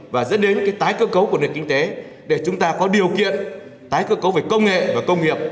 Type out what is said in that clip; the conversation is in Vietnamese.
và dẫn đến cái tái cơ cấu của nền kinh tế để chúng ta có điều kiện tái cơ cấu về công nghệ và công nghiệp